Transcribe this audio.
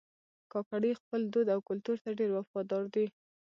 کاکړي خپل دود او کلتور ته ډېر وفادار دي.